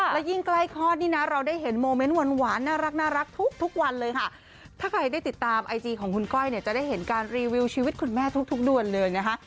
และยิ่งใกล้คลอดนี่นะเราได้เห็นโมเมนต์หวานน่ารักทุกวันเลยค่ะถ้าใครได้ติดตามไอจีของคุณก้อยเนี่ยจะได้เห็นการรีวิวชีวิตคุณแม่ทุกทุกเดือนเลยนะคะ